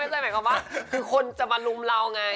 ไม่ใช่หมายความว่าคือคนจะมารุมเราไง